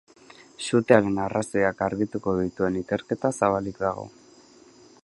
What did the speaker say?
Sutearen arrazoiak argituko dituen ikerketa zabalik dago.